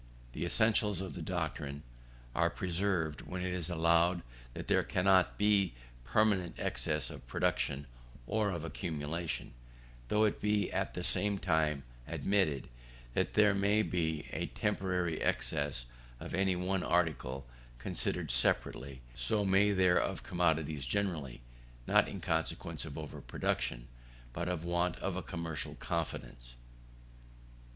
The essentials of the doctrine are preserved when it is allowed that there cannot be permanent excess of production, or of accumulation; though it be at the same time admitted, that as there may be a temporary excess of any one article considered separately, so may there of commodities generally, not in consequence of over production, but of a want of commercial confidence.